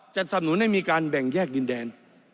สนุนให้มีการแบ่งแยกดินแดน